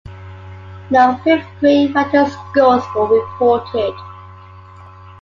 No fifth grade writing scores were reported.